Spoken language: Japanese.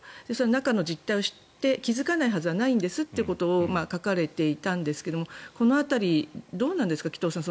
中の実態を知って気付かないはずはないんですと書かれていたんですがこの辺り、どうなんですか紀藤さん。